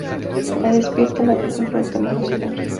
La despierta la presencia de Tomas a su lado.